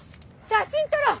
写真撮ろう！